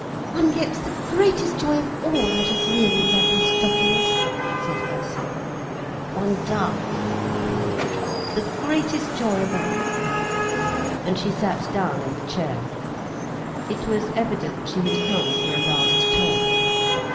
"One gets the greatest joy of all out of really lovely stockings," said Ursula. "One does," replied Gudrun; "the greatest joy of all." And she sat down in the chair. It was evident she had come for a last talk.